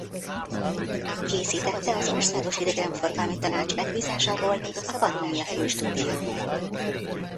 Készítette az Országos Idegenforgalmi Tanács megbízásából a Pannónia Filmstúdió.